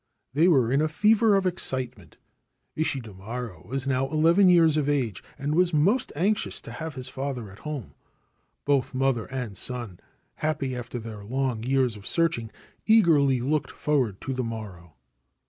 They were in a fever of excitement. Ishidomaro was now eleven years of age, and was most 77 Ancient Tales and Folklore of Japan anxious to have his father at home ; both mother and son, happy after their long years of searching, eagerly looked forward to the morrow.